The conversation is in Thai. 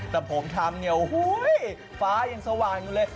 แต่ผมทำเนี่ยโอ้โหฟ้ายังสว่างอยู่เลย